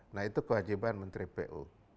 nah itu kewajiban menteri pu